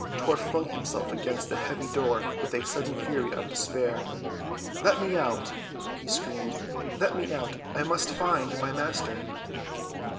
Tor flung himself against the heavy door in a sudden fury of despair. "Let me out!" he screamed. "Let me out! I must find my Master."